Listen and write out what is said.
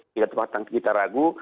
tidak terpaksa kita ragu